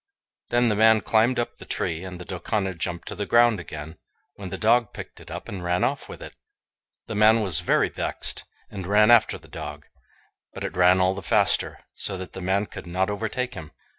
Then the man climbed up the tree, and the Doukana jumped to the ground again, when the dog picked it up and ran off with it The man was very vexed, and ran after the dog, but it ran all the faster, so that the man could not overtake him.